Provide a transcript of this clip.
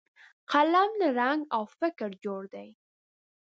قلم له رنګ او فکره جوړ دی